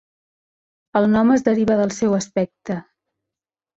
El nom es deriva del seu aspecte.